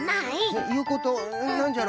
えっいうことなんじゃろ？